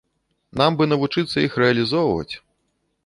Нам бы навучыцца іх рэалізоўваць.